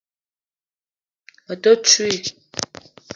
Me te ntouii